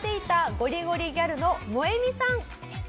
ゴリゴリギャルのモエミさん。